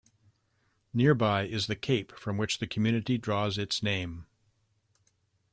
Nearby is the Cape from which the community draws its name.